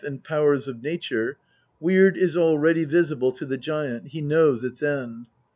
INTRODUCTION. xxv powers of nature, Weird is already visible to the giant, he knows its end.